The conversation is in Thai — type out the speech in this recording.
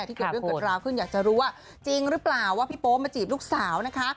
เกิดเรื่องเกิดราวขึ้นอยากจะรู้ว่าจริงหรือเปล่าว่าพี่โป๊มาจีบลูกสาวนะคะ